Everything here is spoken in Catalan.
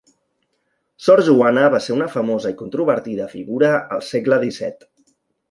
Sor Joana va ser una famosa i controvertida figura al segle XVII.